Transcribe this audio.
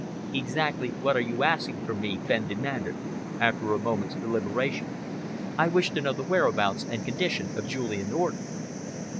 "Exactly what are you asking from me?" Fenn demanded, after a moment's deliberation. "I wish to know the whereabouts and condition of Julian Orden."